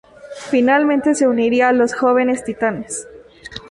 Finalmente se uniría a los Jóvenes Titanes.